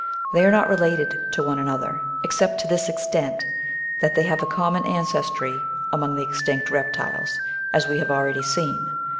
They are not related to one another, except to this extent, that they have a common ancestry among the extinct Reptiles, as we have already seen.